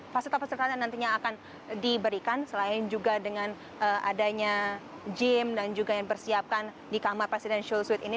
fasilitas fasilitas yang nantinya akan diberikan selain juga dengan adanya gym dan juga yang dipersiapkan di kamar presidential suite ini